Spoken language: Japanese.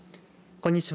こんにちは。